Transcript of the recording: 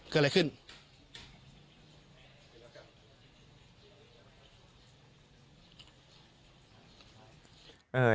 เกิดอะไรขึ้น